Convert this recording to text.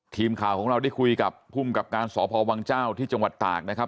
ทีมข่าวของเราได้คุยกับภูมิกับการสพวังเจ้าที่จังหวัดตากนะครับ